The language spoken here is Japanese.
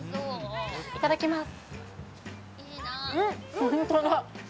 いただきます。